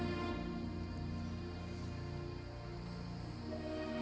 mari semua kita sholat di masjid ke sana